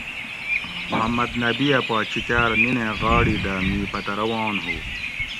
محمد نبی اۤ پا چیکاۤر نِینیں غاڑی دہ می پتہ روان ہُو